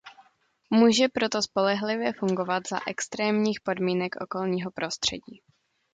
Může proto spolehlivě fungovat za extrémních podmínek okolního prostředí.